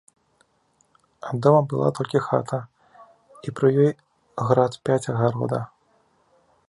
А дома была толькі хата, і пры ёй град пяць агарода.